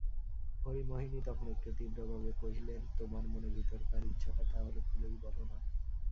হরিমোহিনী তখন একটু তীব্রভাবে কহিলেন, তোমার মনে ভিতরকার ইচ্ছাটা তা হলে খুলেই বলো-না।